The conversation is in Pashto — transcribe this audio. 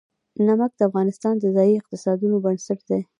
نمک د افغانستان د ځایي اقتصادونو بنسټ دی.